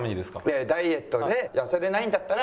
いやいやダイエットで痩せれないんだったら。